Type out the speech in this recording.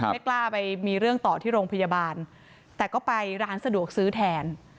ไม่กล้าไปมีเรื่องต่อที่โรงพยาบาลแต่ก็ไปร้านสะดวกซื้อแทน